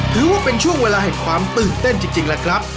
ถือว่าเป็นช่วงเวลาแห่งความตื่นเต้นจริงแหละครับ